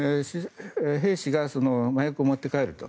兵士が麻薬を持って帰ると。